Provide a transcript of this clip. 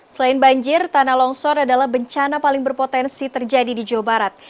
selain banjir tanah longsor adalah bencana paling berpotensi terjadi di jawa barat